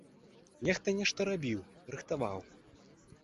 Нехта нешта рабіў, рыхтаваў.